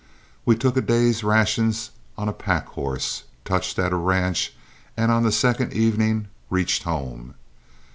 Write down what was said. We took a day's rations on a pack horse, touched at a ranch, and on the second evening reached home.